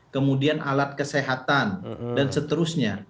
kemudian alat kesehatan dan seterusnya